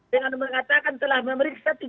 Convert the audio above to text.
dengan mengatakan telah memeriksa tiga puluh enam